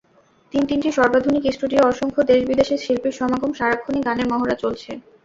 তিন-তিনটি সর্বাধুনিক স্টুডিও, অসংখ্য দেশ-বিদেশের শিল্পীর সমাগম, সারাক্ষণই গানের মহড়া চলছে।